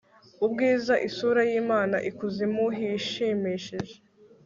Ubwiza isura yImana ikuzimu hishimishije